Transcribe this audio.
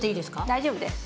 大丈夫です。